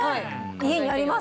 家にあります